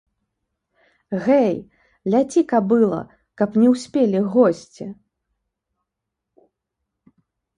Гэй, ляці, кабыла, каб не ўспелі госці.